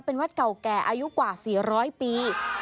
เป็นวัดเก่าแก่อายุกว่า๔๐๐ปี